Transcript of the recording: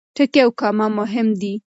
ټکی او کامه مهم دي.